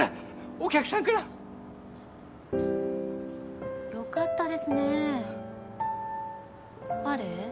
お客さんからよかったですねーあれ？